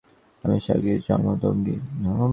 আমি সাগ্নিক জমদগ্নি।